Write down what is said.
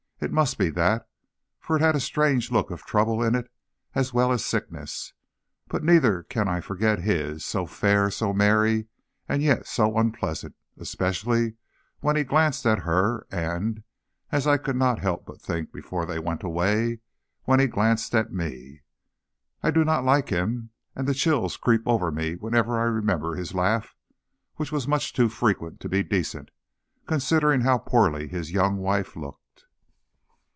It must be that, for it had a strange look of trouble in it as well as sickness; but neither can I forget his, so fair, so merry, and yet so unpleasant, especially when he glanced at her and as I could not help but think before they went away when he glanced at me. I do not like him, and the chills creep over me whenever I remember his laugh, which was much too frequent to be decent, considering how poorly his young wife looked.